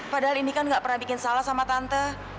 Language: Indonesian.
padahal ini kan gak pernah bikin salah sama tante